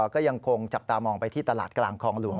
ก็ยังคงจับตามองไปที่ตลาดกลางคลองหลวง